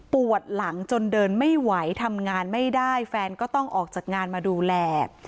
ปวดหลังจนเดินไม่ไหวทำงานไม่ได้แฟนก็ต้องออกจากงานมาดูแล